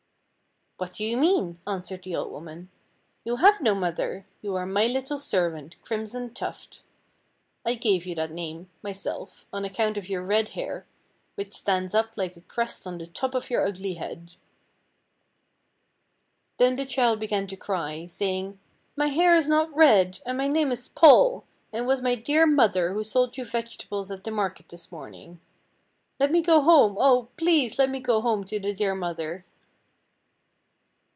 "What do you mean," answered the old woman. "You have no mother! you are my little servant, Crimson Tuft. I gave you that name, myself, on account of your red hair, which stands up like a crest on the top of your ugly head." Then the child began to cry, saying, "My hair is not red, and my name is Paul, and it was my dear mother who sold you vegetables at the market this morning. Let me go home, oh! please let me go home to the dear mother."